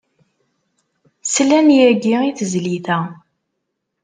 Slant yagi i tezlit-a.